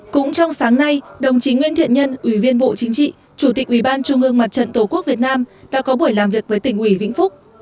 cũng trong sáng nay đồng chí nguyễn thiện nhân ủy viên bộ chính trị chủ tịch ubnd tổ quốc việt nam đã có buổi làm việc với tỉnh ubnd vĩnh phúc